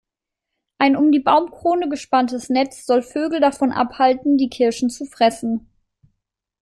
Ein um die Baumkrone gespanntes Netz soll Vögel davon abhalten, die Kirschen zu fressen.